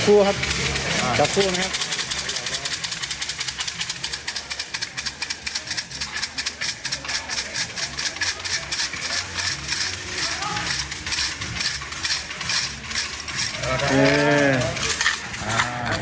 จับทั่วครับจับทั่วนะครับ